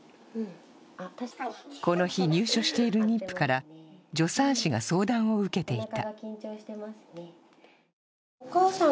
この日入所している妊婦から助産師が相談を受けていた。